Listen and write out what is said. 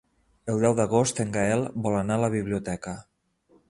El deu d'agost en Gaël vol anar a la biblioteca.